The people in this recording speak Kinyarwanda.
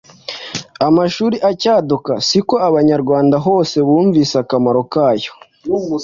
amashuri acyaduka si ko abanyarwanda hose bumvise akamaro kayo.